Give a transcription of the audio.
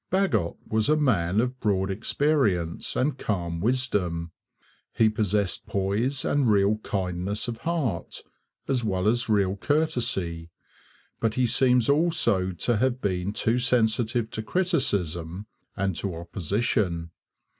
Bagot was a man of broad experience and calm wisdom. He possessed poise and real kindness of heart, as well as real courtesy; but he seems also to have been too sensitive to criticism and to opposition.